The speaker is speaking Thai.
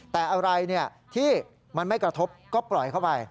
แต่อะไรที่มันไม่กระทบก็ปล่อยเข้าไป